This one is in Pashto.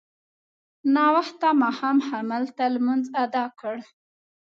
ناوخته ماښام هلته لمونځ اداء کړ.